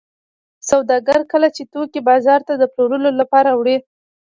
سوداګر کله چې توکي بازار ته د پلورلو لپاره وړي